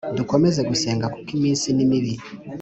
Dukomeze gusenga kuko iminsi ni mibi